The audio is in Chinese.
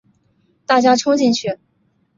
大家冲进去